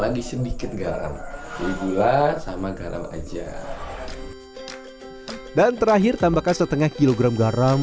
lagi sedikit garam jadi gula sama garam aja dan terakhir tambahkan setengah kilogram garam